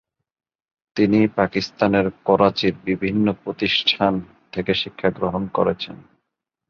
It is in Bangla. তিনি পাকিস্তানের করাচির বিভিন্ন প্রতিষ্ঠান থেকে শিক্ষা গ্রহণ করেছেন।